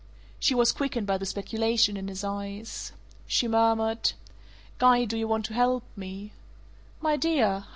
She was quickened by the speculation in his eyes. She murmured: "Guy, do you want to help me?" "My dear!